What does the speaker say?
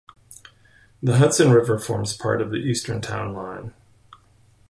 The Hudson River forms part of the eastern town line.